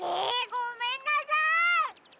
ごめんなさい！